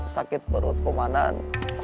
sakit perutku manan